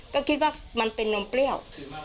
ก็คิดว่ามันเป็นนมเปรี้ยว